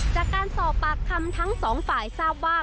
จากการสอบปากคำทั้งสองฝ่ายทราบว่า